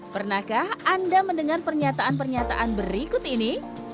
pernahkah anda mendengar pernyataan pernyataan berikut ini